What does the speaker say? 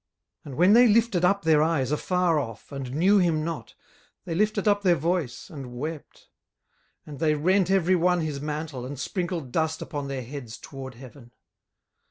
18:002:012 And when they lifted up their eyes afar off, and knew him not, they lifted up their voice, and wept; and they rent every one his mantle, and sprinkled dust upon their heads toward heaven.